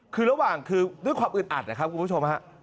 คือระหว่างคือด้วยความอึดอัดนะครับคุณผู้ชมฮะ